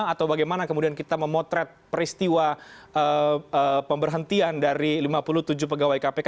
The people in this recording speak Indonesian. atau bagaimana kemudian kita memotret peristiwa pemberhentian dari lima puluh tujuh pegawai kpk